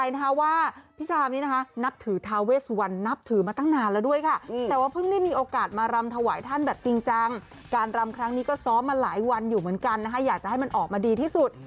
อยู่เหมือนกันนะครับอยากจะให้มันออกมาดีที่สุด